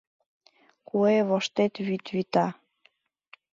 Куэ воштет вӱд вита.